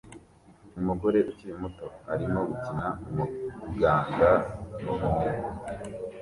Umugore ukiri muto arimo gukina umuganga numuhungu